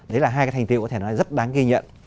đấy là hai cái thành tiệu có thể nói rất đáng ghi nhận